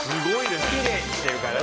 きれいにしてるから。